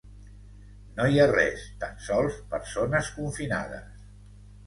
No hi ha res, tan sols persones confinades.